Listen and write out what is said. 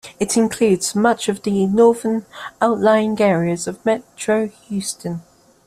It includes much of the northern outlying areas of metro Houston.